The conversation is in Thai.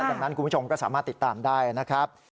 ดังนั้นคุณผู้ชมก็สามารถติดตามได้นะครับ